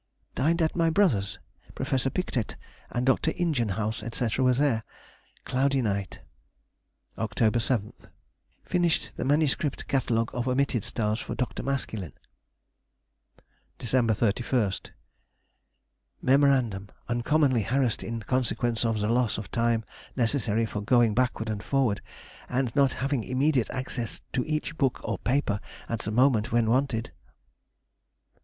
_—Dined at my brother's. Professor Pictet and Dr. Ingenhouse, &c., were there. Cloudy night. October 7th.—Finished the MS. Catalogue of omitted stars for Dr. Maskelyne. December 31st.—Mem. Uncommonly harassed in consequence of the loss of time necessary for going backward and forward, and not having immediate access to each book or paper at the moment when wanted.